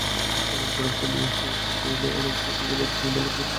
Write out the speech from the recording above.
এবারের পরিবর্তনে ইয়াহু মেইলে অনেকটাই গুগলের জিমেইলের মতো করে সাজিয়েছে ইয়াহু কর্তৃপক্ষ।